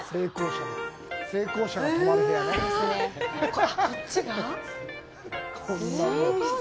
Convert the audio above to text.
あっ、こっちが、寝室！